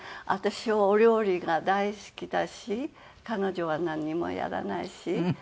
私はお料理が大好きだし彼女はなんにもやらないし。